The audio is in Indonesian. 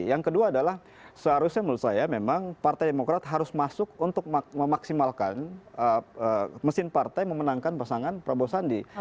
yang kedua adalah seharusnya menurut saya memang partai demokrat harus masuk untuk memaksimalkan mesin partai memenangkan pasangan prabowo sandi